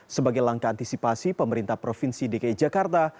sebagai langkah antisipasi pemerintah provinsi dki jakarta